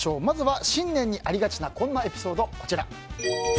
まずは新年にありがちなこんなエピソード。